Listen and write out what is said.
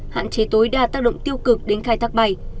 hạn chế tối đa tác động tiêu cực đến khai thác bay